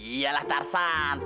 iya lah tarzan